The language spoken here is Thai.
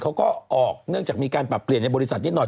เขาก็ออกเนื่องจากมีการปรับเปลี่ยนในบริษัทนิดหน่อย